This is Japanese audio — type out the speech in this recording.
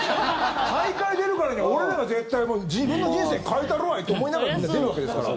大会出るからには俺らが絶対自分の人生変えたるわい！って思いながらみんな出るわけですから。